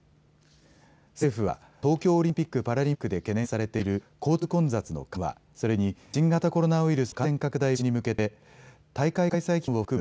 政府は東京オリンピック・パラリンピックで懸念されている交通混雑の緩和、それに新型コロナウイルスの感染拡大防止に向けて大会開催期間を含む